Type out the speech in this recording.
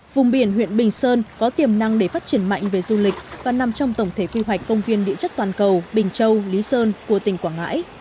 vùng biển huyện bình sơn có tiềm năng để phát triển mạnh về du lịch và nằm trong tổng thể quy hoạch công viên địa chất toàn cầu bình châu lý sơn của tỉnh quảng ngãi